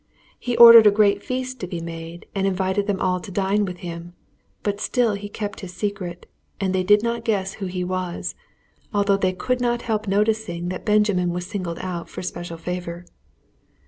He ordered a great feast to be made, and invited them all to dine with him; but still he kept his secret, and they did not guess who he was, although they could not help noticing that Benjamin was singled out for special favor.